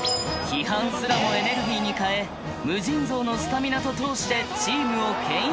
批判すらもエネルギーに変え無尽蔵のスタミナと闘志でチームを牽引！